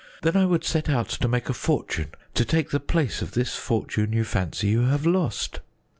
Then I would set off to make a fortune to take the place of this fortune you fancy you have lost."